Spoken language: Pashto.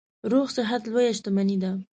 روغ صحت لویه شتنمي ده.